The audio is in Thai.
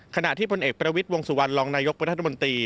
ขณะที่พลเอกประวิทย์วงสุวรรณรองนายกรัฐมนตรี